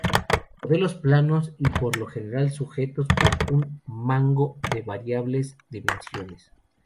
Modelos planos, y por lo general sujetos por un mango de variables dimensiones.